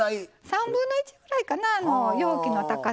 ３分の１ぐらいかな容器の高さのね。